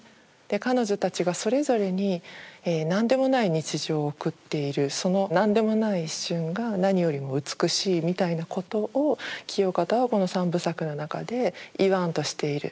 彼女たちがそれぞれに何でもない日常を送っているその何でもない一瞬が何よりも美しいみたいなことを清方はこの３部作の中で言わんとしている。